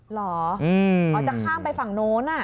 เหรออ๋อจะข้ามไปฝั่งโน้น